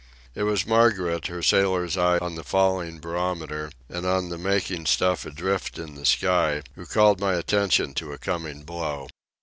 It was Margaret, her sailor's eye on the falling barometer and on the "making" stuff adrift in the sky, who called my attention to a coming blow.